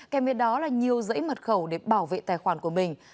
kèm với đó là nhiều dãy mật khẩu để bảo vệ tài khoản của mình